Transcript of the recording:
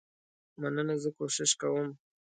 مننه زه کوشش کوم.